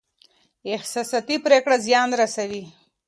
احساساتي پرېکړې زيان رسوي.